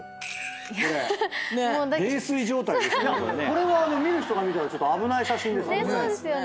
これは見る人が見たらちょっと危ない写真ですよ。